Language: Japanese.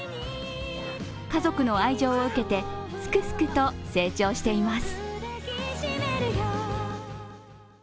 家族の愛情を受けてすくすくと成長しています。